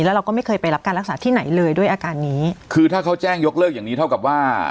แล้วเราก็ไม่เคยไปรับการรักษาที่ไหนเลยด้วยอาการนี้คือถ้าเขาแจ้งยกเลิกอย่างนี้เท่ากับว่า